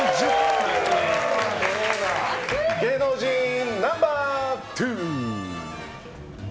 芸能人ナンバー２。